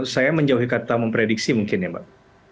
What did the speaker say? saya menjauhi kata memprediksi mungkin ya mbak